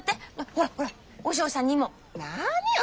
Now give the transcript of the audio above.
ほらほら和尚さんにも。何よ。